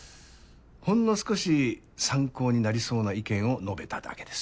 ほんの少し参考になりそうな意見を述べただけです。